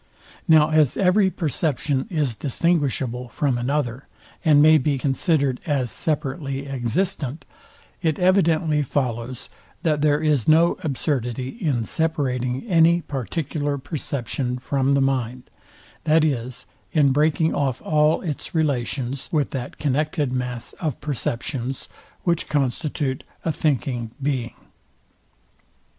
Now as every perception is distinguishable from another, and may be considered as separately existent; it evidently follows, that there is no absurdity in separating any particular perception from the mind; that is, in breaking off all its relations, with that connected mass of perceptions, which constitute a thinking being.